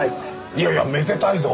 いやいやめでたいぞ！